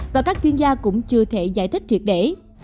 và các chuyên gia cũng chưa thể giải thích triệt để